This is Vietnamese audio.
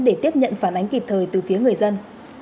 để tiếp nhận phản ánh kịp thời từ phía người dân